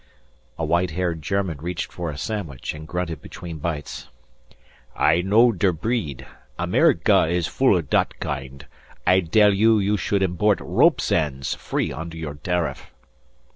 A white haired German reached for a sandwich, and grunted between bites: "I know der breed. Ameriga is full of dot kind. I dell you you should imbort ropes' ends free under your dariff."